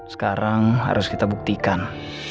sekarang harus kita buktikan